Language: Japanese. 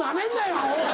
アホ！